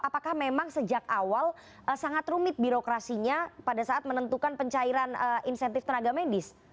apakah memang sejak awal sangat rumit birokrasinya pada saat menentukan pencairan insentif tenaga medis